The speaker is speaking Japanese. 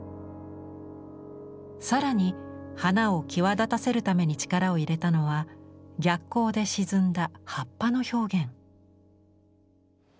更に花を際立たせるために力を入れたのは逆光で沈んだ葉っぱの表現。